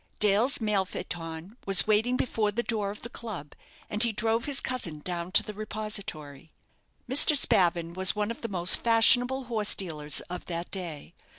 Dale's mail phaeton was waiting before the door of the club, and he drove his cousin down to the repository. Mr. Spavin was one of the most fashionable horse dealers of that day.